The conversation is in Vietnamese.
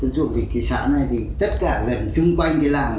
đất dụng thì cái xã này thì tất cả lần trung quanh thì làm